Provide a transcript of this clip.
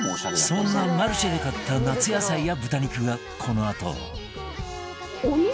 そんなマルシェで買った夏野菜や豚肉がこのあと